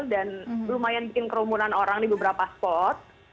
dan lumayan bikin kerumunan orang di beberapa spot